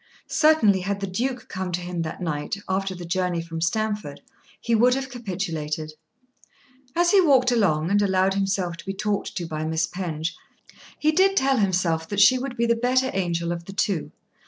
Certainly had the Duke come to him that night, after the journey from Stamford, he would have capitulated. As he walked along and allowed himself to be talked to by Miss Penge, he did tell himself that she would be the better angel of the two.